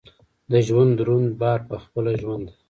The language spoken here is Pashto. د ژوند دروند بار پخپله ژوند دی.